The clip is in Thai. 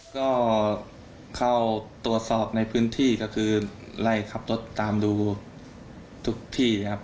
ก็เข้าตรวจสอบในพื้นที่ก็คือไล่ขับรถตามดูทุกที่ครับ